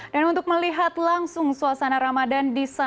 dan untuk melihat langsung suasana ramadan di sana